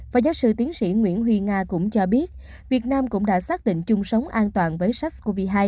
và giáo sư tiến sĩ nguyễn huy nga cũng cho biết việt nam cũng đã xác định chung sống an toàn với sars cov hai